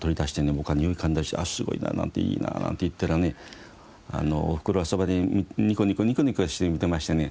僕はにおい嗅いだりして「あっすごいな！いいな！」なんて言ったらねおふくろはそばでニコニコニコニコして見てましてね。